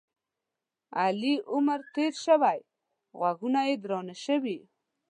علي عمر تېر شوی؛ غوږونه یې درانه شوي.